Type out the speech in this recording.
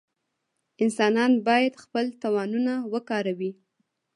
انسانان باید خپل توانونه وکاروي.